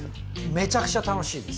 めちゃくちゃ楽しいです。